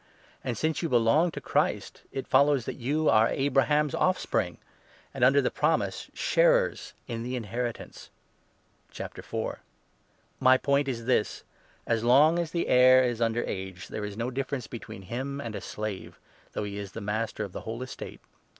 And, since you belong to 29 Christ, it follows that you are Abraham's offspring and, under the promise, sharers in the inheritance. • My point is this :— As long as the heir is under age, there is i < no difference between him and a slave, though he is master of the whole estate.